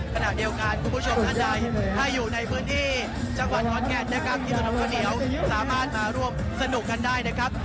ขนาดเดียวกันคุณผู้ชมท่านใดถ้าอยู่ในพื้นที่จังหวัดน้อนแก่นนักกองเที่ยวสามารถมาร่วมสนุกกันได้นะครับ